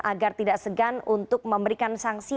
agar tidak segan untuk memberikan sanksi